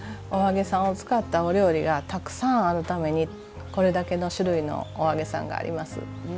お揚げさんを使ったお料理がたくさんあるためにこれだけの種類のお揚げさんがあります。